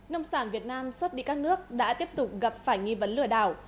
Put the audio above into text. nông sản việt nam xót đi các nước đã tiếp tục gặp phải nghi vấn lửa đảo